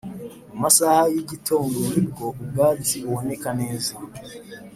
Mumasaha yi igitondo nibwo ubwatsi buboneka neza